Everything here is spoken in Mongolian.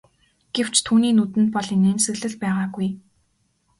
Гэвч түүний нүдэнд бол инээмсэглэл байгаагүй.